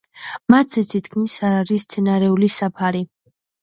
მათზე თითქმის არ არის მცენარეული საფარი.